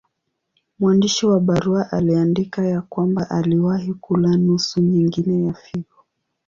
Mwandishi wa barua aliandika ya kwamba aliwahi kula nusu nyingine ya figo.